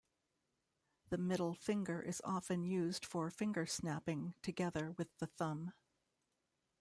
The middle finger is often used for finger snapping together with the thumb.